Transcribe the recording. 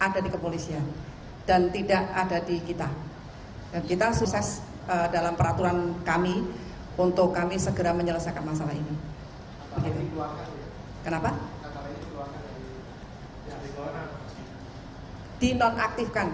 dinonaktifkan lebih tepatnya